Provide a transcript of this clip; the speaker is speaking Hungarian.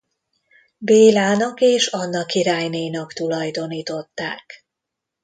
Bélának és Anna királynénak tulajdonították.